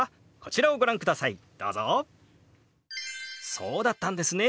そうだったんですね。